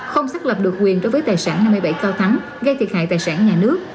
không xác lập được quyền đối với tài sản năm mươi bảy cao thắng gây thiệt hại tài sản nhà nước